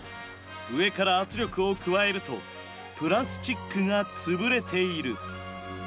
上から圧力を加えるとプラスチックが潰れている。